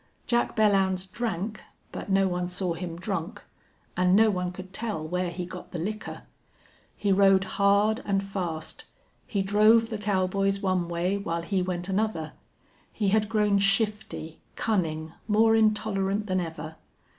Jack Belllounds drank, but no one saw him drunk, and no one could tell where he got the liquor. He rode hard and fast; he drove the cowboys one way while he went another; he had grown shifty, cunning, more intolerant than ever.